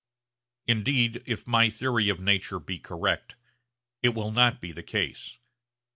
Indeed if my theory of nature be correct, it will not be the case.